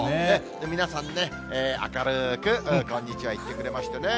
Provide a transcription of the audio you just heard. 皆さんね、明るくこんにちは、言ってくれましたね。